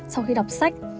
sau khi đọc sách